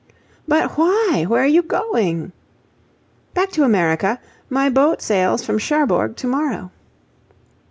"But why? Where are you going?" "Back to America. My boat sails from Cherbourg tomorrow."